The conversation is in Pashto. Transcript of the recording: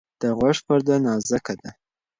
د غوږ پرده نازکه ده.